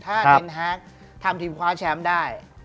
ถ้าเทนฮาร์กทำทีมคว้าแชมป์ได้